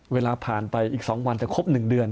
เวลาผ่านไปอีก๒วันจะครบ๑เดือน